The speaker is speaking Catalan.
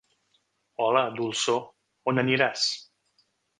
Hola, dolçor, on aniràs?